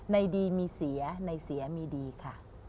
ดีมีเสียในเสียมีดีค่ะ